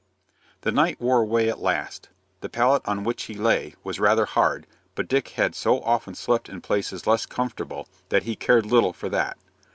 The night wore away at last. The pallet on which he lay was rather hard; but Dick had so often slept in places less comfortable that he cared little for that.